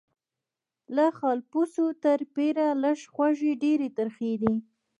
له خالپوڅو تر پیریه لږ خوږې ډیري ترخې دي